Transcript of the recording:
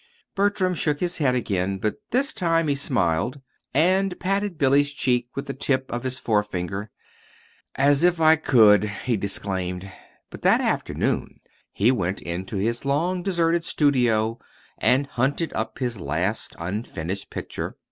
Bertram shook his head again; but this time he smiled, and patted Billy's cheek with the tip of his forefinger. "As if I could!" he disclaimed. But that afternoon he went into his long deserted studio and hunted up his last unfinished picture.